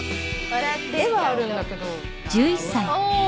絵はあるんだけど。